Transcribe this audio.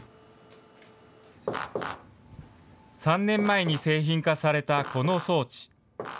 ３年前に製品化されたこの装置。